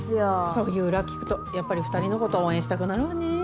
そういう裏聞くとやっぱり２人の事応援したくなるわねえ。